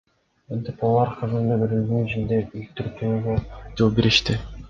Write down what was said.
Кантип алар кызымды бөлүмдүн ичинде өлтүртүүгө жол беришти?